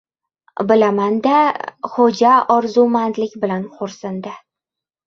— Bilaman-da! — Xo‘ja orzumandlik bilan xo‘rsindi.